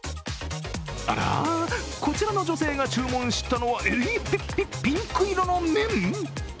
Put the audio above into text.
あら、こちらの女性が注文したのはピンク色の麺？